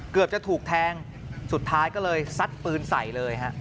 เกือบจะถูกแทงสุดท้ายก็เลยซัดปืนใส่เลยฮะ